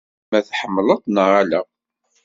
Ama tḥemmleḍ-t neɣ ala.